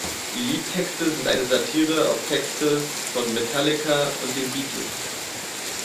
Die Liedtexte sind eine Satire auf Texte von Metallica und den Beatles.